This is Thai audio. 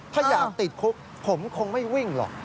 ถ้าอยากติดคุกผมคงไม่วิ่งหรอก